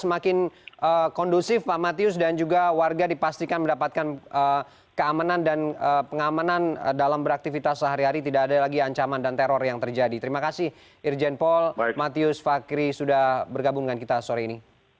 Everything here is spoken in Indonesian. bahkan untuk membunuh yang bersangkutan